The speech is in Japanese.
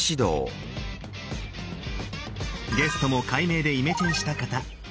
ゲストも改名でイメチェンした方。